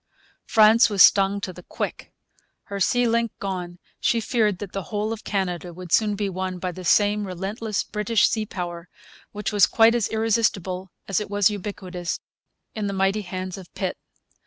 France was stung to the quick. Her sea link gone, she feared that the whole of Canada would soon be won by the same relentless British sea power, which was quite as irresistible as it was ubiquitous in the mighty hands of Pitt.